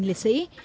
gia đình liệt sĩ